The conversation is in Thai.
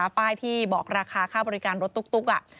ป้ายที่บอกราคาค่าบริการรถตุ๊ก